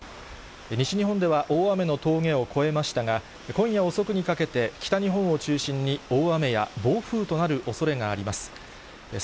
西日本では大雨の峠を越えましたが、今夜遅くにかけて、北日本を中心に、大雨や暴風となるおそれがあります。